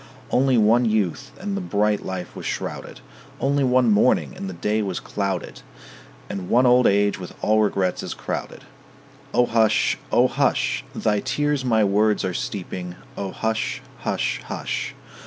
Only one youth, and the bright life was shrouded; Only one morning, and the day was clouded; And one old age with all regrets is crowded. O hush, O hush! Thy tears my words are steeping. O hush, hush, hush!